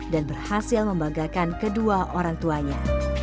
dan berhasil membanggakan kedua orang tuanya